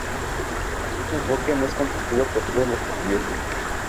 Pero ese enfoque no es compartido por todos los estudiosos.